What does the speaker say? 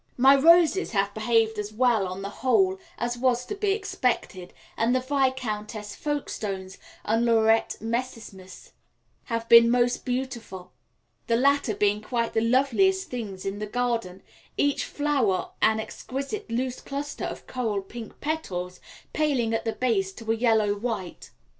My roses have behaved as well on the whole as was to be expected, and the Viscountess Folkestones and Laurette Messimys have been most beautiful, the latter being quite the loveliest things in the garden, each flower an exquisite loose cluster of coral pink petals, paling at the base to a yellow white.